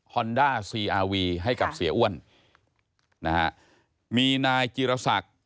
หอนด้าซีอาร์วีให้กับเสียอ้วนมีนายกิรษักษ์